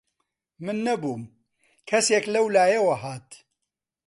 من نەبووم، کەسێک لەولایەوە هات